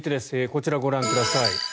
こちらをご覧ください。